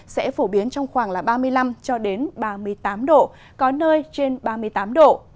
sẽ phổ biến trong khoảng ba mươi năm ba mươi tám độ có nơi trên ba mươi tám độ